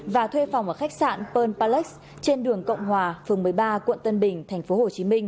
và thuê phòng ở khách sạn pearl palace trên đường cộng hòa phường một mươi ba quận tân bình thành phố hồ chí minh